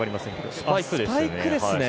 スパイクですね。